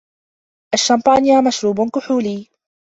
الشّامبانيا مشروب كحولي.